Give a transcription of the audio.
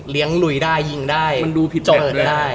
เลี้ยงลุยได้ยิงได้จบได้มันดูผิดแมท